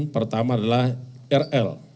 pertama adalah rl